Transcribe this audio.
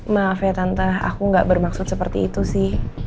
maaf ya tantah aku gak bermaksud seperti itu sih